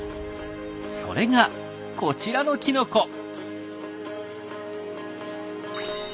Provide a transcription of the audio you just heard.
それがこちらのきのこ。